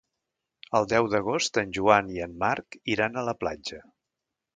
El deu d'agost en Joan i en Marc iran a la platja.